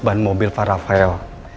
ban mobil para rafael